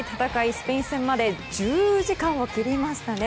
スペイン戦まで１０時間を切りましたね。